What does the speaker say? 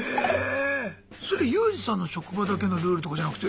それユージさんの職場だけのルールとかじゃなくて？